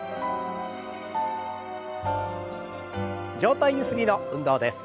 上体ゆすりの運動です。